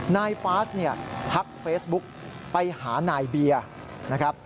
นายฟาสท์ทักเฟซบุ๊กไปหานายเบียร์